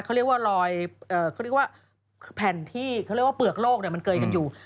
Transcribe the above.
เขาเรียกว่ารอยเขาเรียกว่าแผ่นที่เขาเรียกว่าเปลือกโลกมันเกยกันอยู่